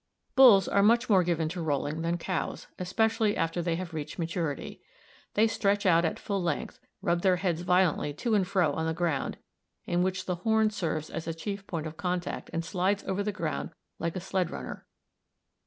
Bulls are much more given to rolling than the cows, especially after they have reached maturity. They stretch out at full length, rub their heads violently to and fro on the ground, in which the horn serves as the chief point of contact and slides over the ground like a sled runner.